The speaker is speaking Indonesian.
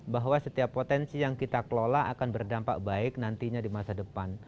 bahwa setiap potensi yang kita kelola akan berdampak baik nantinya di masa depan